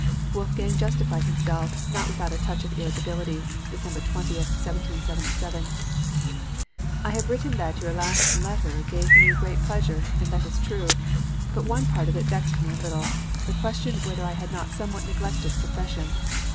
Wolfgang justified himself, not without a touch of irritability (December 20, 1777): MANNHEIM. (400) I have written that your last letter gave me great pleasure, and that is true; but one part of it vexed me a little the question whether I had not somewhat neglected confession.